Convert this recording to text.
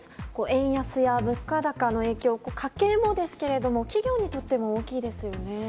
円安や物価高の影響家計もですけれども企業にとっても大きいですよね。